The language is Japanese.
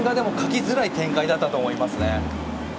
漫画でも描きづらい展開だったと思います。